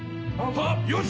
よし。